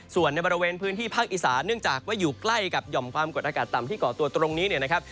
ส่วนในบริเวณพื้นที่ภาคอีสานเนื่องจากว่าอยู่ใกล้กับหย่อมความกดอากาศต่ำที่ก่อตัวตรงนี้เนี่ยนะครับ